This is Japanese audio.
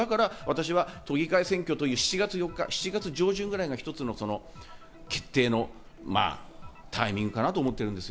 都議会選挙、７月４日、７月上旬ぐらいが決定のタイミングかなと思っています。